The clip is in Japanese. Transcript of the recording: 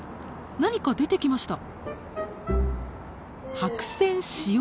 何か出てきました。